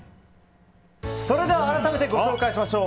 それでは改めてご紹介しましょう。